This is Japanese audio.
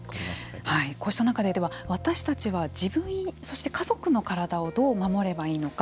こうした中で、では私たちは自分、そして家族の体をどう守ればいいのか。